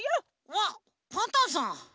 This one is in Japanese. あっパンタンさん！